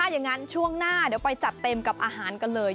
อย่างนั้นช่วงหน้าเดี๋ยวไปจัดเต็มกับอาหารกันเลย